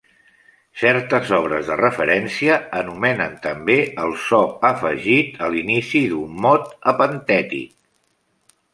Certes obres de referència anomenen també el so afegit a l'inici d'un mot epentètic.